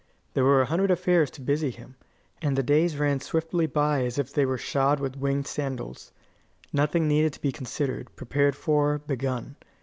There were a hundred affairs to busy him, and the days ran swiftly by as if they were shod with winged sandals. Nothing needed to be considered, prepared for, begun.